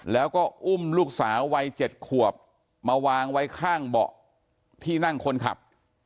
แล้วก็อุ้มลูกสาววัย๗ขวบมาวางไว้ข้างเบาะที่นั่งคนขับ